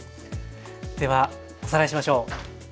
ではおさらいしましょう。